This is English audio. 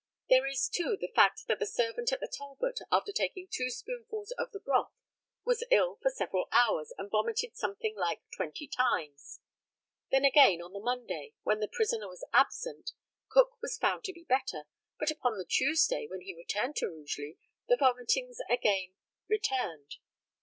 There is, too, the fact that the servant at the Talbot, after taking two spoonfuls of the broth, was ill for several hours, and vomited something like twenty times. Then, again, on the Monday, when the prisoner was absent, Cook was found to be better; but upon the Tuesday, when he returned to Rugeley, the vomitings again returned.